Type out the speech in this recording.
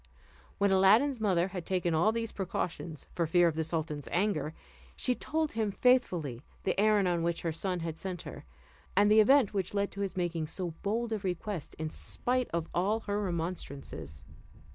When Aladdin's mother had taken all these precautions, for fear of the sultan's anger, she told him faithfully the errand on which her son had sent her, and the event which led to his making so bold a request in spite of all her remonstrances.